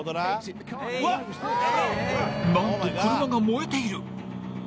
なんと、車が燃えている。